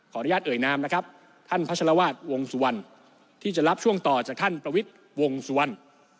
อนุญาตเอ่ยนามนะครับท่านพัชรวาสวงสุวรรณที่จะรับช่วงต่อจากท่านประวิทย์วงสุวรรณ